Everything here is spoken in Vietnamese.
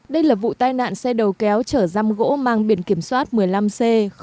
đây là vụ tai nạn xe đầu kéo chở giam gỗ mang biển kiểm soát một mươi năm c một nghìn bảy trăm tám mươi tám